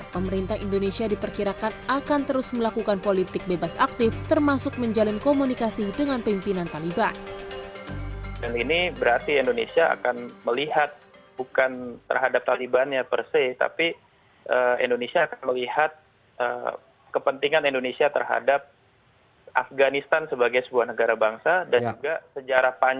pemerintah indonesia diperkirakan akan terus melakukan politik bebas aktif termasuk menjalin komunikasi dengan pimpinan taliban